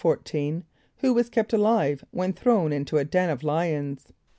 = Who was kept alive when thrown into a den of lions?